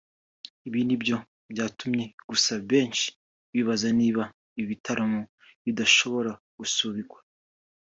ibi ni byo byatumye gusa benshi bibaza niba ibi bitaramo bidashobora gusubikwa